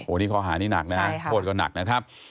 โหนี่ขออาหารี่หนักนะโฆษก็หนักนะครับ